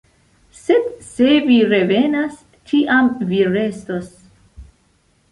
Sed se vi revenas, tiam vi restos.